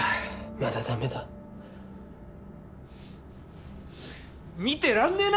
まだダメだ見てらんねえな！